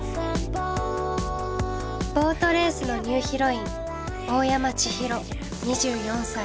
ボートレースのニューヒロイン大山千広２４歳。